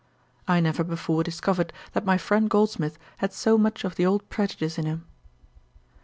I never before discovered that my friend Goldsmith had so much of the old prejudice in him.